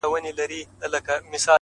د نورو مرسته انسان ستر کوي’